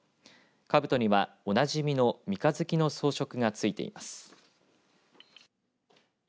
かぶとには、おなじみの三日月の装飾が付いています。